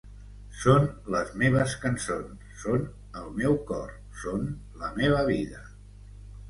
Són les meves cançons, són el meu cor, són la meva vida.